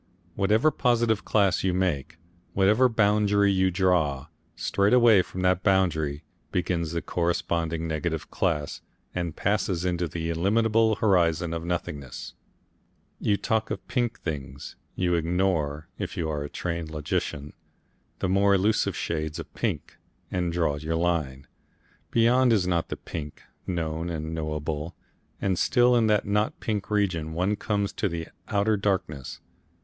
Whatever positive class you make, whatever boundary you draw, straight away from that boundary begins the corresponding negative class and passes into the illimitable horizon of nothingness. You talk of pink things, you ignore, if you are a trained logician, the more elusive shades of pink, and draw your line. Beyond is the not pink, known and knowable, and still in the not pink region one comes to the Outer Darkness.